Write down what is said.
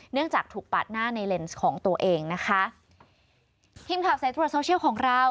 จากถูกปาดหน้าในเลนส์ของตัวเองนะคะทีมข่าวสายตรวจโซเชียลของเรา